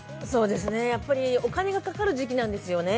やっぱりお金がかかる時期なんですよね。